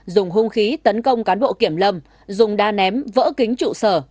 dùng hung khí tấn công cán bộ kiểm lâm dùng đa ném vỡ kính trụ sở